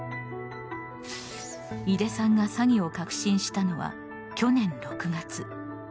井出さんが詐欺を確信したのは去年６月。